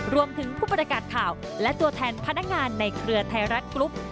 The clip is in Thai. ผู้ประกาศข่าวและตัวแทนพนักงานในเครือไทยรัฐกรุ๊ป